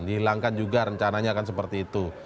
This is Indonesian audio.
dihilangkan juga rencananya akan seperti itu